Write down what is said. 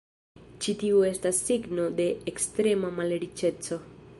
Ĉi tiu estas signo de ekstrema malriĉeco.